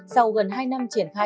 sau gần hai năm triển khai